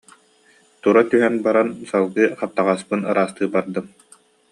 Тура түһэн баран салгыы хаптаҕаспын ыраастыы бардым